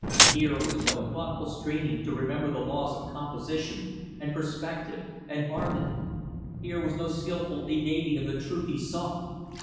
Here was no thoughtful straining to remember the laws of composition, and perspective, and harmony. Here was no skillful evading of the truth he saw.